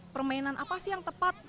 permainan apa sih yang tepat